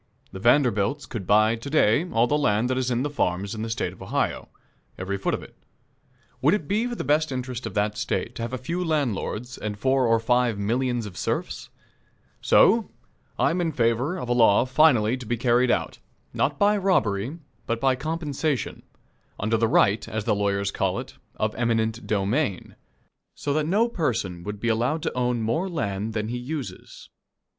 The Vanderbilts could buy to day all the land that is in farms in the State of Ohio every foot of it. Would it be for the best interest of that State to have a few landlords and four or five millions of serfs? So, I am in favor of a law finally to be carried out not by robbery, but by compensation, under the right, as the lawyers call it, of eminent domain so that no person would be allowed to own more land than he uses.